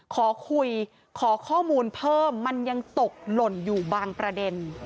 ขอคุยขอข้อมูลเพิ่มมันยังตกหล่นอยู่บางประเด็น